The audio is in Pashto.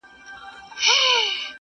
د طاووس تر رنګینیو مي خوښيږي.!